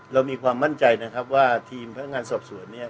เรามีความมั่นใจนะครับว่าทีมพนักงานสอบสวนเนี่ย